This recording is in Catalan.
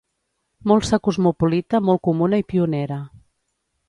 Molsa cosmopolita molt comuna i pionera.